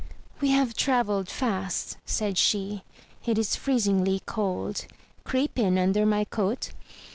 "We have travelled fast," said she. "It is freezingly cold; creep in under my coat."